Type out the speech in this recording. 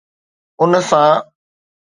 ان سان